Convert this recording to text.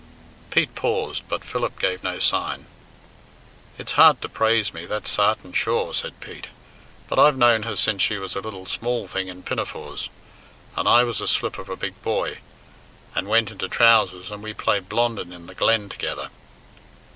Pete paused, but Philip gave no sign. "It's hard to praise me, that's sarten sure," said Pete, "but I've known her since she was a little small thing in pinafores, and I was a slip of a big boy, and went into trousers, and we played Blondin in the glen together."